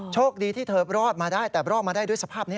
โชคดีที่เธอรอดมาได้แต่รอดมาได้ด้วยสภาพนี้